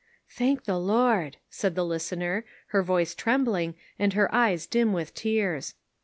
" Thank the Lord," said the listener, her voice trembling and her eyes dim with tears.